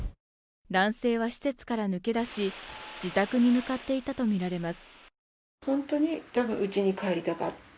男性は施設から抜け出し、自宅に向かっていたとみられます。